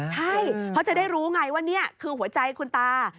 ใช่เพราะจะได้รู้ไงว่านี่คือหัวใจคุณตา